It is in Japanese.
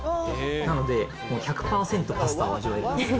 なので、もう１００％パスタを味わえるんです。